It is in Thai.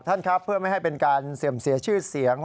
ท่านครับเพื่อไม่ให้เป็นการเสื่อมเสียชื่อเสียง